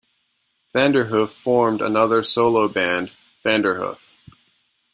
Vanderhoof formed another solo band, Vanderhoof.